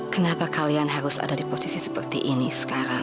kenapa kalian harus ada di posisi seperti ini sekarang